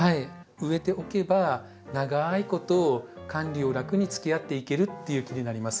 植えておけば長いこと管理を楽につきあっていけるっていう木になります。